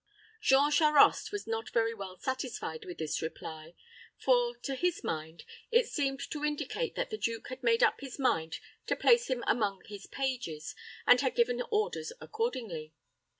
Jean Charost was not very well satisfied with this reply; for, to his mind, it seemed to indicate that the duke had made up his mind to place him among his pages, and had given orders accordingly.